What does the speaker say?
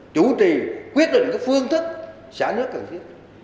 chủ trì quyết định phương thức xả nước cần thiết